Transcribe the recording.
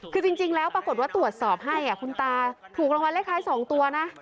คือจริงแล้วปรากฏว่าตรวจสอบให้คุณตาถูกรางวัลเลขท้าย๒ตัวนะ